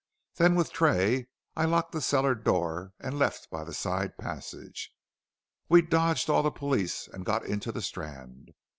Then with Tray I locked the cellar door and left by the side passage. We dodged all the police and got into the Strand.